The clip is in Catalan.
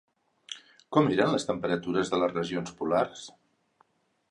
Com eren les temperatures de les regions polars?